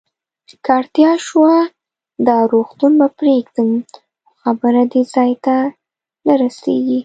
که اړتیا شوه، دا روغتون به پرېږدم، خو خبره دې ځای ته نه رسېږي.